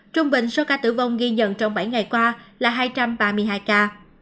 trung bình số ca tử vong ghi nhận trong bảy ngày qua là hai trăm ba mươi hai ca